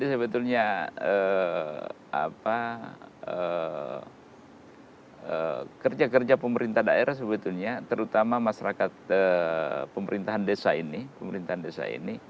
sebetulnya kerja kerja pemerintah daerah sebetulnya terutama masyarakat pemerintahan desa ini